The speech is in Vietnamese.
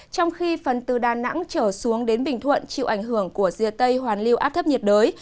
trong khi phần từ đà nẵng trở xuống đến bình thuận chịu ảnh hưởng của rìa tây hoàn lưu áp thấp nhiệt đới